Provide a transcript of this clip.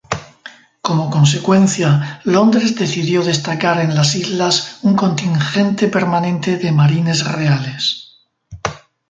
Como consecuencia, Londres decidió destacar en las islas un contingente permanente de Marines Reales.